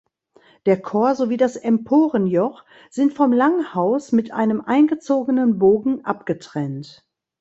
Der Chor sowie das Emporenjoch sind vom Langhaus mit einem eingezogenen Bogen abgetrennt.